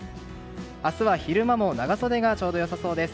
明日は昼間も長袖がちょうどよさそうです。